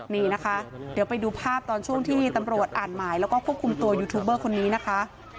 นี่นะคะเดี๋ยวไปดูภาพตอนช่วงที่ตำรวจอ่านหมายแล้วก็ควบคุมตัวยูทูบเบอร์คนนี้นะคะ